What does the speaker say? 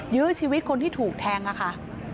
ยื้อชีวิตคนที่ถูกแทงค่ะ